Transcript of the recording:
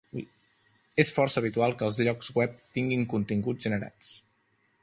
És força habitual que els llocs web tinguin continguts generats.